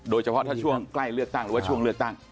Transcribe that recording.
โดยเฉพาะถ้าช่วงใกล้เลือกตั้งหรือว่าช่วงเลือกตั้ง